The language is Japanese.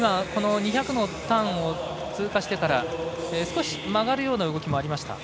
２００のターンを通過してから少し曲がるような動きもありました。